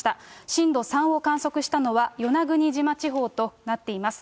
震度３を観測したのは、与那国島地方となっています。